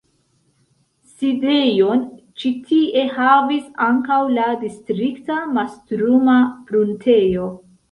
Sidejon ĉi tie havis ankaŭ la Distrikta mastruma pruntejo.